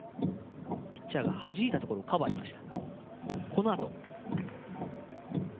ピッチャーがはじいたボールをカバーしました。